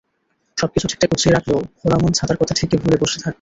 সবকিছু ঠিকঠাক গুছিয়ে রাখলেও ভোলামন ছাতার কথা ঠিকই ভুলে বসে থাকবে।